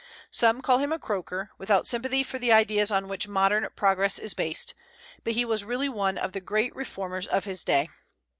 Some call him a croaker, without sympathy for the ideas on which modern progress is based; but he was really one of the great reformers of his day.